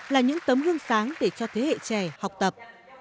là những tấm gương sáng để cho thế hệ trẻ học tập